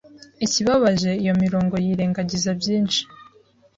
Ikibabaje iyo mirongo yirengagiza byinshi